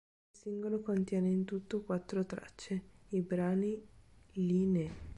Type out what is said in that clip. Il singolo contiene in tutto quattro tracce: i brani "Ii ne!